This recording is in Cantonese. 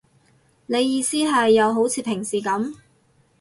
你意思係，又好似平時噉